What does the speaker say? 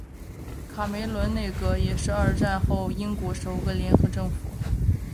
卡梅伦内阁也是二战后英国首个联合政府。